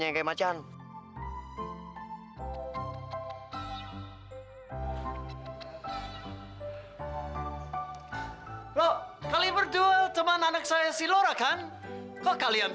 bikin minuman buat glenn